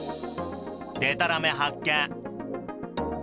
でたらめ発見！